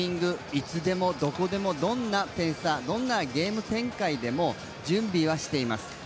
いつでもどこでもどんな点差どんなゲーム展開でも準備はしています。